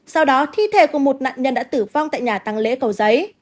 sau đó thi thể của một nạn nhân đã tử vong tại nhà tăng lễ cầu giấy